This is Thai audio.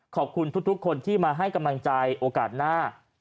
ขอบคุณทุกคนที่มาให้กำลังใจโอกาสหน้า